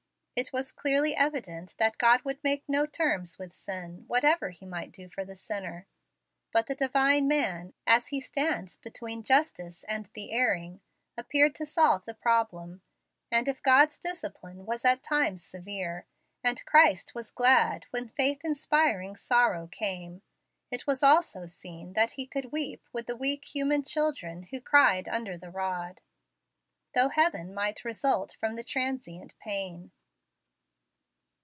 It was clearly evident that God would make no terms with sin, whatever He might do for the sinner. But the Divine man, as He stands between justice and the erring, appeared to solve the problem. And if God's discipline was at times severe, and Christ was glad when faith inspiring sorrow came, it was also seen that He could weep with the weak human children who cried under the rod, though heaven might result from the transient pain.